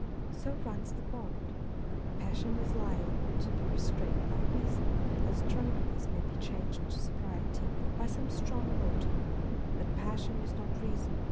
" So runs the bond." Passion is liable to be restrained by reason, as drunkenness may be changed to sobriety by some strong motive : but passion is not reason, i.